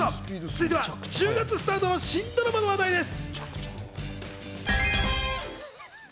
続いては１０月スタートの新ドラマの話題です。